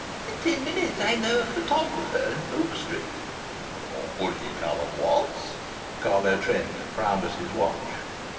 "In ten minutes. I know a photographer in Brook Street." "Would he come at once?" Carlo Trent frowned at his watch.